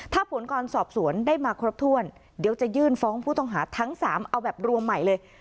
ถ้าผลการสอบสวนได้มาครบถ้วนเดี๋ยวจะยื่นฟ้องผู้ต้องหาทั้ง๓เอาแบบรวมใหม่เลย